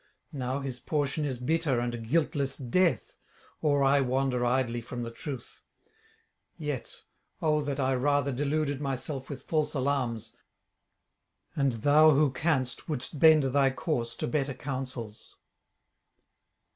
Now his portion is bitter and guiltless death, or I wander idly from the truth. Yet, oh that I rather deluded myself with false alarms, and thou who canst wouldst bend thy course to better counsels.'